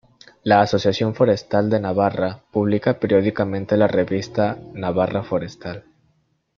La Asociación Forestal de Navarra publica periódicamente la revista Navarra Forestal.